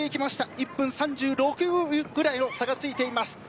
１分３６秒ぐらいの差がついています。